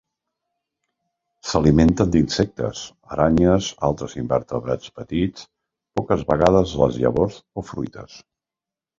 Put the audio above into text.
S'alimenten d'insectes, aranyes, altres invertebrats petits, poques vegades les llavors o fruites.